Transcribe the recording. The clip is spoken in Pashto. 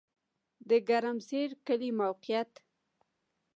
د ګرمسر کلی موقعیت